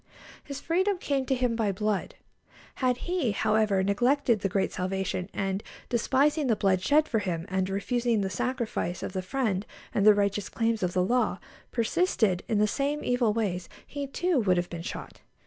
His freedom came to him by blood. Had he, however, neglected the great salvation, and, despising the blood shed for him, and refusing the sacrifice of the friend and the righteous claims of the law, persisted in the same evil ways, he, too, would have been shot.